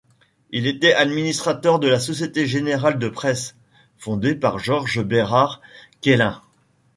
Il était Administrateur de la Société générale de presse, fondée par Georges Bérard-Quélin.